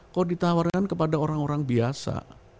kok ditawarkan kepada orang orang biasa